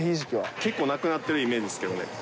結構なくなっているイメージですけれどもね。